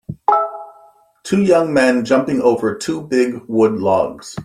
Two young men jumping over two big wood logs.